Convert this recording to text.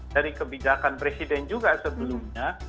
dari kebijakan presiden juga sebelumnya